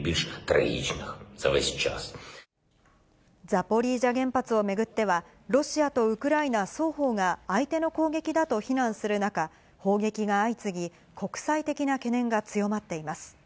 ザポリージャ原発を巡っては、ロシアとウクライナ双方が相手の攻撃だと非難する中、砲撃が相次ぎ、国際的な懸念が強まっています。